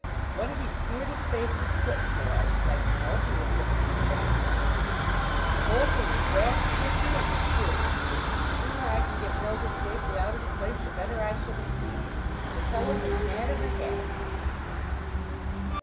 What had he smeared his face with soot for, I should like to know, if he were perfectly sane? "The whole thing is dashed fishy and mysterious and the sooner I can get Mildred safely out of the place, the better I shall be pleased. The fellow's as mad as a hatter!"